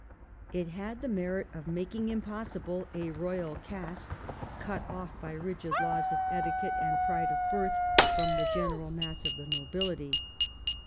It had the merit of making impossible a royal caste, cut off by rigid laws of etiquette and pride of birth from the general mass of the nobility.